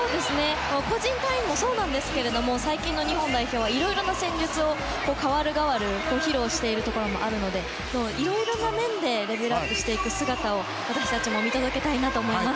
個人単位もそうですが最近の日本代表はいろいろな戦術をかわるがわる披露しているところもあるのでいろいろな面でレベルアップしていく姿を私たちも見届けたいなと思います。